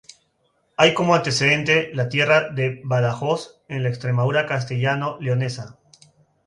Hay como antecedente la Tierra de Badajoz en la Extremadura castellano-leonesa.